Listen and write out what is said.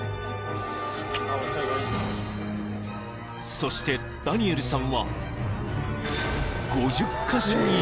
［そしてダニエルさんは］